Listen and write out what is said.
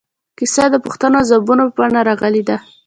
کیسه د پوښتنو او ځوابونو په بڼه راغلې ده.